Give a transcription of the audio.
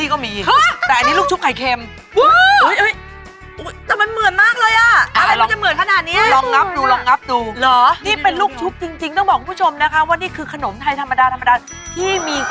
ก็มาพูดคุณเลยดีมะ